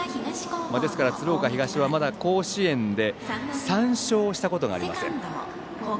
ですから、鶴岡東はまだ甲子園で３勝したことがありません。